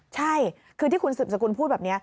ใช่คือที่คุณสืบสกุลพูดแบบนี้